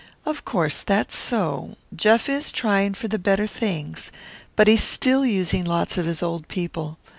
"Of course that's so; Jeff is trying for the better things; but he's still using lots of his old people.